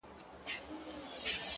• زورورو د کمزورو برخي وړلې ,